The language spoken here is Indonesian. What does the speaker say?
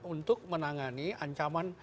untuk menangani ancaman